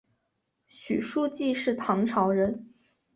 许叔冀是唐朝人。